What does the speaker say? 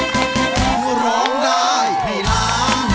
ร้องได้ให้ล้าน